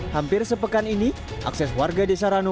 hampir sepekan ini akses warga desa ranu